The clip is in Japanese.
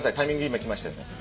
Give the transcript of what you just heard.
今来ましたよね。